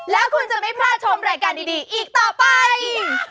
แล้วคุณจะไม่พลาดชมรายการดีอีกต่อไป